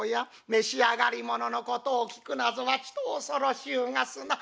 召し上がり物のことを聞くなぞはちと恐ろしゅうがすな。